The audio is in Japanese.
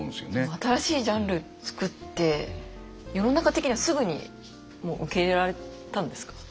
その新しいジャンル作って世の中的にはすぐにもう受け入れられたんですか？